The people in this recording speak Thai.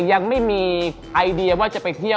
ยังไม่มีไอเดียว่าจะไปเที่ยว